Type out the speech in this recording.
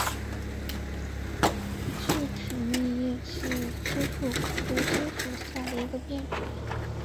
细齿密叶槭为槭树科槭属下的一个变种。